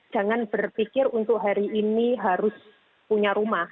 jangan berpikir untuk hari ini harus punya rumah